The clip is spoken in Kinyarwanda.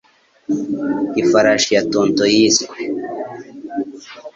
Ifarashi ya Tonto Yiswe